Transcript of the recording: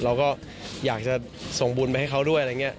เราก็อยากจะส่งบุญไปให้เขาด้วยอะไรอย่างนี้